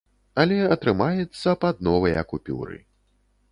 Але атрымаецца пад новыя купюры.